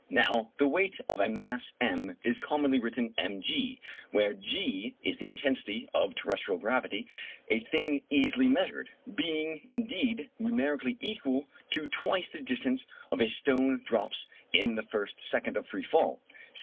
Now the weight of a mass m is commonly written mg, where g is the intensity of terrestrial gravity, a thing easily measured; being, indeed, numerically equal to twice the distance a stone drops in the first second of free fall.